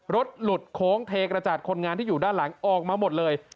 รถหลุดโค้งเทกระจาดคนงานที่อยู่ด้านหลังออกมาหมดเลย